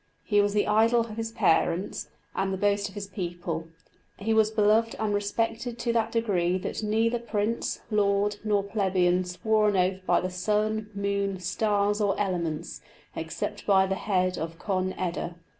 He was the idol of his parents, and the boast of his people; he was beloved and respected to that degree that neither prince, lord, nor plebeian swore an oath by the sun, moon, stars, or elements, except by the head of Conn eda.